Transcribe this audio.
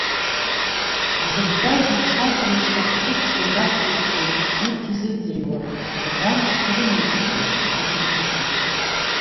Дзықутәаз иҽы аӷура ишаххуцуаз аҵкысгьы урҭ изыӡырҩуан, ргуамчқуа рымиҟьахьан, итәитәхьан.